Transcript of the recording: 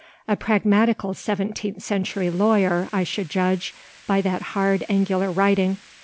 A pragmatical seventeenth century lawyer, I should judge, by that hard, angular writing.